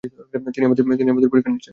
তিনি আমাদের পরীক্ষা নিচ্ছেন।